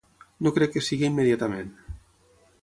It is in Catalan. No crec que sigui immediatament.